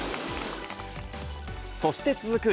そして続く